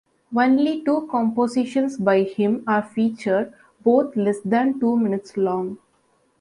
Only two compositions by him are featured, both less than two minutes long.